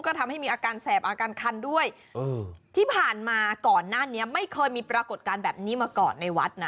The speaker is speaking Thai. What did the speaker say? ก็ทำให้มีอาการแสบอาการคันด้วยที่ผ่านมาก่อนหน้านี้ไม่เคยมีปรากฏการณ์แบบนี้มาก่อนในวัดนะ